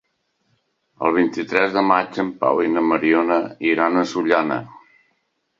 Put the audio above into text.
El vint-i-tres de maig en Pau i na Mariona iran a Sollana.